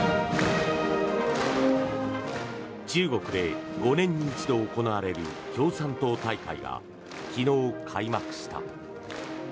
中国で５年に一度行われる共産党大会が昨日、開幕した。